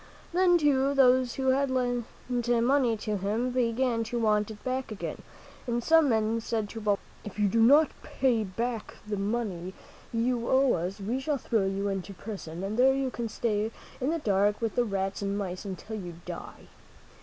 Then, too, those who had lent money to him began to want it back again, and some men said to Balboa, If you do not pay back the (0^ 27 MEN WHO FOUND AMERICA MB ^~^, money you owe us, we shall throw you into prison, and there you can stay in the dark with the rats and the mice until you die."